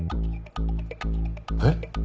えっ？